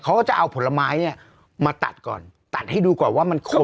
เขาก็จะเอาผลไม้เนี่ยมาตัดก่อนตัดให้ดูก่อนว่ามันขม